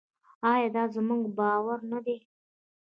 آیا دا زموږ باور نه دی؟